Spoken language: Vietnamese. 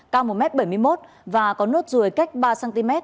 cao một m bảy mươi một và có nốt ruồi cách ba cm